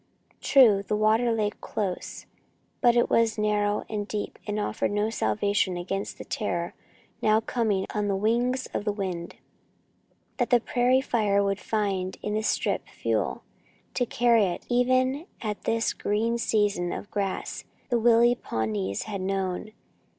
True, the water lay close, but it was narrow and deep and offered no salvation against the terror now coming on the wings of the wind. That the prairie fire would find in this strip fuel to carry it even at this green season of the grass the wily Pawnees had known.